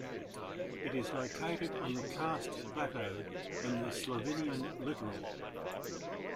It is located on the Karst Plateau in the Slovenian Littoral.